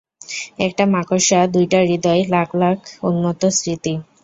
একটা মাকড়সা, দুইটা হৃদয়, লাখ লাখ উন্মত্ত স্মৃতি।